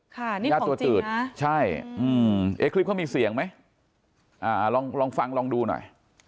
พระญาติตัวตืดใช่คลิปเขามีเสียงไหมลองฟังลองดูหน่อย